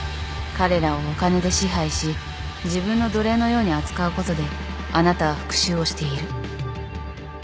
彼らをお金で支配し自分の奴隷のように扱うことであなたは復讐をしている。